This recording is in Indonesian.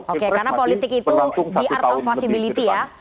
oke karena politik itu the art of possibility ya